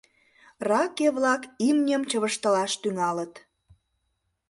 Раке-влак имньым чывыштылаш тӱҥалыт.